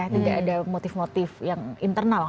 tidak ada motif motif yang internal